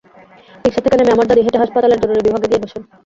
রিকশা থেকে নেমে আমার দাদি হেঁটে হাসপাতালের জরুরি বিভাগে গিয়ে বসেন।